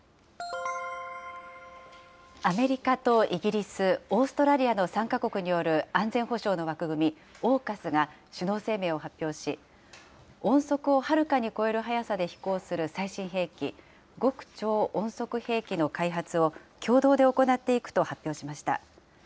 アメリカとイギリス、オーストラリアの３か国による安全保障の枠組み、ＡＵＫＵＳが首脳声明を発表し、音速をはるかに超える速さで飛行する最新兵器、極超音速兵器の開発を共同で行っていくと発表しました。